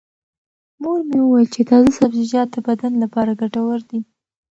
مور مې وویل چې تازه سبزیجات د بدن لپاره ګټور دي.